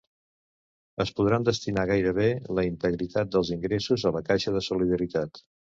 Es podran destinar gairebé la integritat dels ingressos a la caixa de solidaritat.